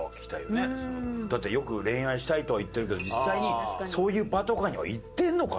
だってよく恋愛したいとは言ってるけど実際にそういう場とかには行ってるのか？とか。